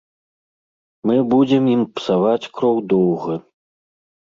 Мы будзем ім псаваць кроў доўга.